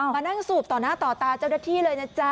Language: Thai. มานั่งสูบต่อหน้าต่อตาเจ้าหน้าที่เลยนะจ๊ะ